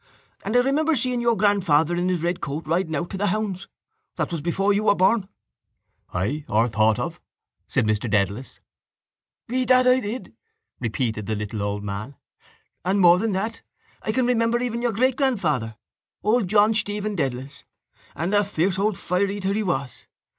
And I remember seeing your grandfather in his red coat riding out to hounds. That was before you were born. —Ay, or thought of, said Mr Dedalus. —Bedad I did, repeated the little old man. And, more than that, I can remember even your greatgrandfather, old John Stephen Dedalus, and a fierce old fire eater he was.